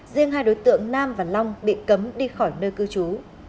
riêng hai đối tượng nam và long bị cấm đi khỏi nơi cư trú